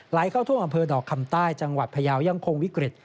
เข้าท่วมอำเภอดอกคำใต้จังหวัดพยาวยังคงวิกฤต